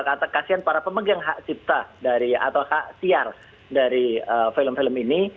atau kasian para pemegang cipta atau siar dari film film ini